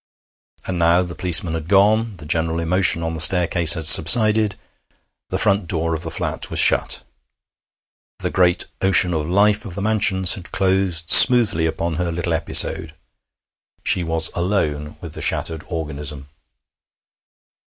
And now the policemen had gone, the general emotion on the staircase had subsided, the front door of the flat was shut. The great ocean of the life of the mansions had closed smoothly upon her little episode. She was alone with the shattered organism.